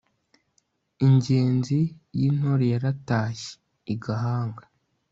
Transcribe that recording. ingenzi y'intore yatashye i gahanga